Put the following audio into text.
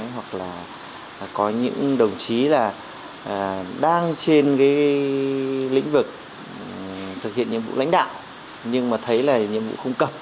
hoặc là có những đồng chí đang trên lĩnh vực thực hiện nhiệm vụ lãnh đạo nhưng mà thấy là nhiệm vụ không cập